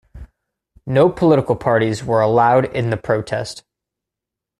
No political parties were allowed in the protest.